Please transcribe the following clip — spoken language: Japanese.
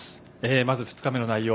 まず２日目の内容